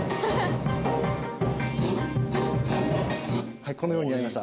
はいこのようになりました。